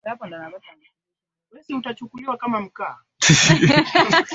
Ninahitaji kupata chakula zaidi.